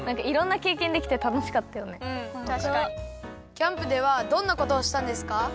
キャンプではどんなことをしたんですか？